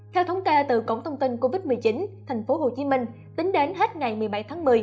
theo thống kê từ cổng thông tin covid một mươi chín tp hcm tính đến hết ngày một mươi bảy tháng một mươi